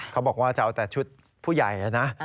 เขาบอกว่าจะเอาแต่ชุดผู้ใหญ่นะ